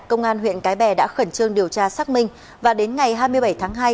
công an huyện cái bè đã khẩn trương điều tra xác minh và đến ngày hai mươi bảy tháng hai